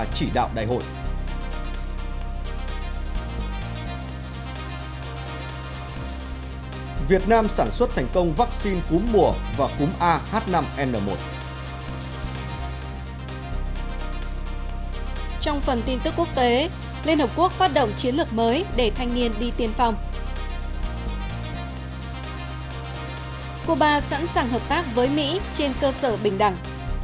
cô ba sẵn sàng hợp tác với mỹ trên cơ sở bình đẳng